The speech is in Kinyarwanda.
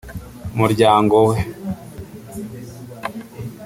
umuryango we